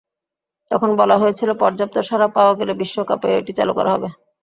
তখন বলা হয়েছিল পর্যাপ্ত সাড়া পাওয়া গেলে বিশ্বকাপেও এটি চালু করা হবে।